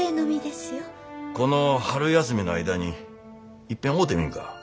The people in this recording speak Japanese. この春休みの間にいっぺん会うてみんか？